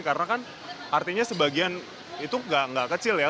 karena kan artinya sebagian itu nggak kecil ya